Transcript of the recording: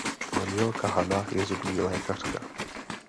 Manželka Hana je zubní lékařka.